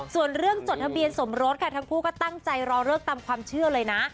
ส่วนเรื่องจดทะเบียนสมรสค่ะทั้งคู่ก็ตั้งใจรอเลิกตามความเชื่อเลยนะ